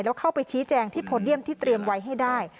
แล้วเข้าไปชี้แจงที่โพเดียมที่เตรียมไว้ให้ได้